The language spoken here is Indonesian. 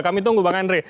kami tunggu bang andre